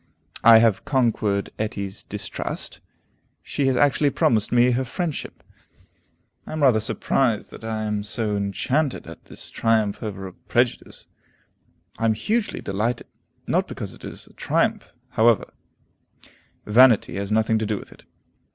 I have conquered Etty's distrust; she has actually promised me her friendship. I am rather surprised that I am so enchanted at this triumph over a prejudice. I am hugely delighted. Not because it is a triumph, however; vanity has nothing to do with it.